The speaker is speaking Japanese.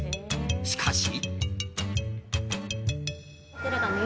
しかし。